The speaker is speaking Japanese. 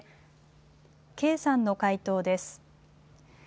続いて、圭さんの回答です。